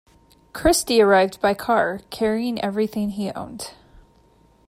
Christy arrived by car, carrying everything he owned.